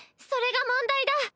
それが問題だ。